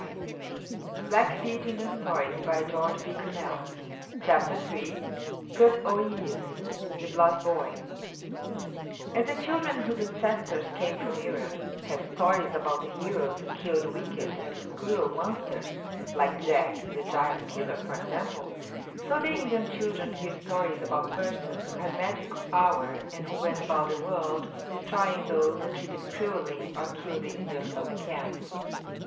They know what to do." After that night the two women were never seen again. KUT O YIS´, THE BLOOD BOY As the children whose ancestors came from Europe have stories about the heroes who killed wicked and cruel monsters like Jack the Giant Killer, for example so the Indian children hear stories about persons who had magic power and who went about the world destroying those who treated cruelly or killed the Indians of the camps.